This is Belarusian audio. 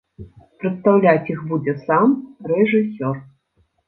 Прадстаўляць іх будзе сам рэжысёр.